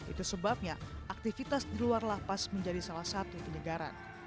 itu sebabnya aktivitas di luar lapas menjadi salah satu penyegaran